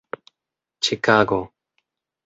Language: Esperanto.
ĉikago